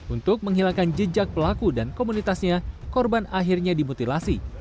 untuk menghilangkan jejak pelaku dan komunitasnya korban akhirnya dimutilasi